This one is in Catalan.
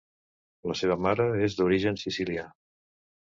La seva mare és d'origen Sicilià.